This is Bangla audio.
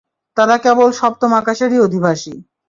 তারা কেবল সপ্তম আকাশেরই অধিবাসী।